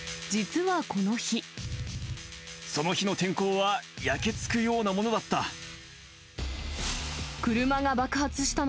その日の天候は焼け付くようなものだった。